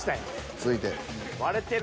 続いて。